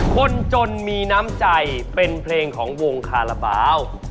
คนจนมีน้ำใจเป็นเพลงของวงคาราบาล